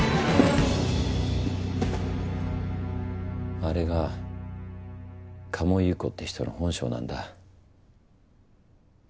あれが鴨井ゆう子って人の本性なんだ。